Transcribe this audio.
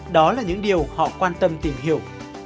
đó là những điều họ quan tâm tìm hiểu